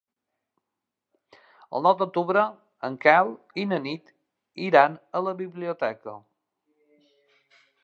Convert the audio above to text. El nou d'octubre en Quel i na Nit iran a la biblioteca.